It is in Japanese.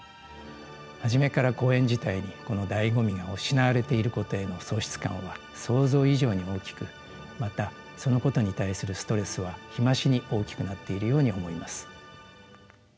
初めから公演自体にこの醍醐味が失われていることへの喪失感は想像以上に大きくまたそのことに対するストレスは日増しに大きくなっているように思います。